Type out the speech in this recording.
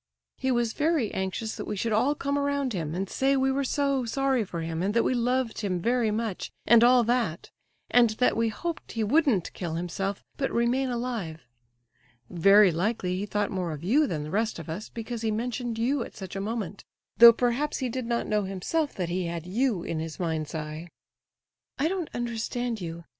He was very anxious that we should all come around him, and say we were so sorry for him, and that we loved him very much, and all that; and that we hoped he wouldn't kill himself, but remain alive. Very likely he thought more of you than the rest of us, because he mentioned you at such a moment, though perhaps he did not know himself that he had you in his mind's eye." "I don't understand you.